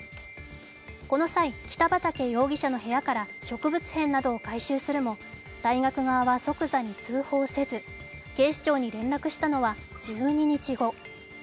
この際、北畠容疑者の部屋から植物片などを回収するも大学側は即座に通報せず警視庁に連絡したのは１２日後。